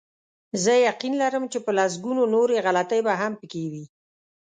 زه یقین لرم چې په لسګونو نورې غلطۍ به هم پکې وي.